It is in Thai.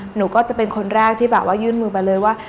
หนูก็จะเป็นคนแรกที่แบบว่ายื่นมือไปเลยว่า